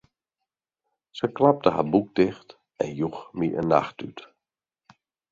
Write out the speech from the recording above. Se klapte har boek ticht en joech my in nachttút.